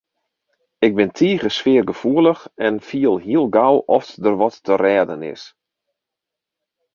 Ik bin tige sfeargefoelich en fiel hiel gau oft der wat te rêden is.